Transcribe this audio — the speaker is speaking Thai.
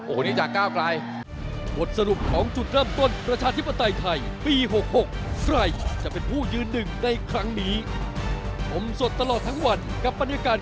โอ้โฮนี่จะก้าวไกล